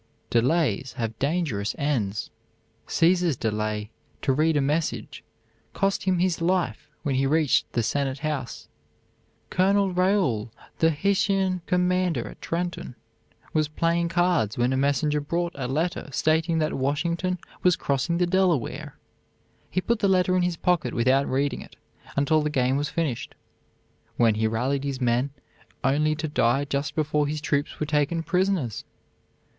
"Delays have dangerous ends." Caesar's delay to read a message cost him his life when he reached the senate house. Colonel Rahl, the Hessian commander at Trenton, was playing cards when a messenger brought a letter stating that Washington was crossing the Delaware. He put the letter in his pocket without reading it until the game was finished, when he rallied his men only to die just before his troops were taken prisoners.